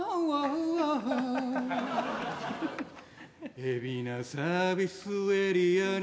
海老名サービスエリアに